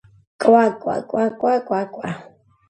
კვაკა კვაკა კვაკა